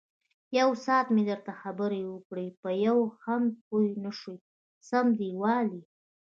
یوساعت مې درته خبرې وکړې، په یوه هم پوی نشوې سم دېوال یې.